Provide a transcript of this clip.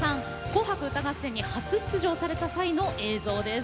「紅白歌合戦」初出場された際の映像です。